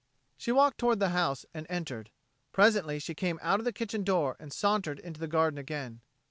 She walked toward the house and entered. Presently she came out of the kitchen door and sauntered into the garden again.